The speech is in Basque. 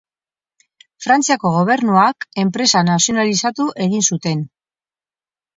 Frantziako gobernuak enpresa nazionalizatu egin zuten.